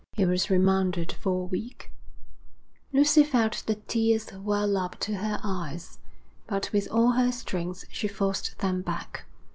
He was remanded for a week.' Lucy felt the tears well up to her eyes, but with all her strength she forced them back.